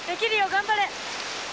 頑張れ。